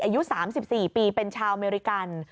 อายุ๓๔ปีเป็นชาวอเมริกัน